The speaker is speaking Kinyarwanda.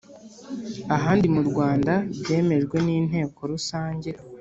ahandi mu Rwanda byemejwe n Inteko Rusange